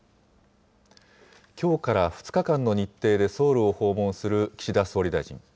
きょうから２日間の日程で、ソウルを訪問する岸田総理大臣。